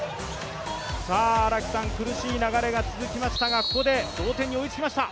苦しい流れが続きましたが、ここで同点に追いつきました。